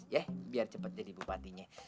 ya biar cepat jadi bupatinya